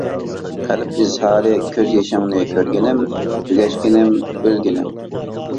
قەلب ئىزھارى كۆز يېشىڭنى كۆرگىنىم، تۈگەشكىنىم-ئۆلگىنىم.